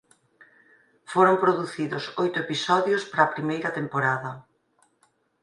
Foron producidos oito episodios para a primeira temporada.